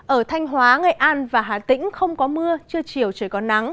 ở thanh hóa ngày an và hà tĩnh không có mưa chưa chiều trời có nắng